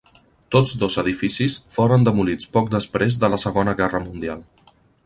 Tots dos edificis foren demolits poc després de la Segona Guerra mundial.